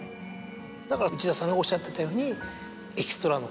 だから内田さんがおっしゃってたように。